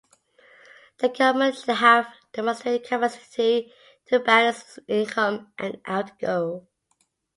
The government should have a demonstrated capacity to balance its income and outgo.